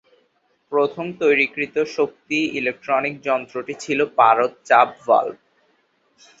প্রথম তৈরিকৃত শক্তি ইলেক্ট্রনিক যন্ত্রটি ছিল পারদ-চাপ ভালভ।